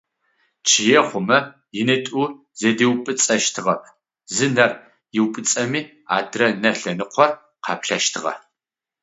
Чъые хъумэ ынитӏу зэдиупӏыцӏэщтыгъэп, зы нэр ыупӏыцӏэми адрэ нэ лъэныкъор къаплъэщтыгъэ.